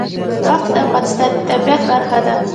نفت د افغانستان د طبیعت برخه ده.